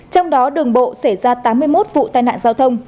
trong đó đường bộ xảy ra tám mươi một vụ tai nạn